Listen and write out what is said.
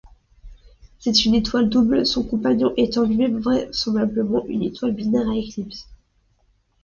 C'est une étoile double, son compagnon étant lui-même vraisemblablement une étoile binaire à éclipses.